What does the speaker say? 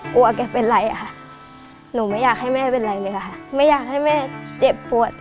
แกเป็นไรค่ะหนูไม่อยากให้แม่เป็นไรเลยค่ะไม่อยากให้แม่เจ็บปวด